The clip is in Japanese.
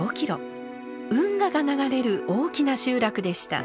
運河が流れる大きな集落でした。